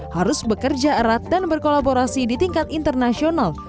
harus bekerja erat dan berkolaborasi di tingkat internasional